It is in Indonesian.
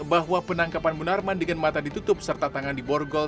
bahwa penangkapan munarman dengan mata ditutup serta tangan diborgol